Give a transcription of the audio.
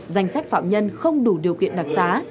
danh sách phạm nhân không đủ điều kiện đặc xá